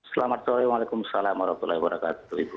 selamat sore waalaikumsalam